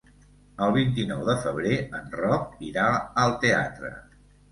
El vint-i-nou de febrer en Roc irà al teatre.